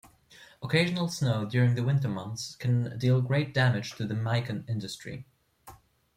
Occasional snow during the winter months can deal great damage to the mikan industry.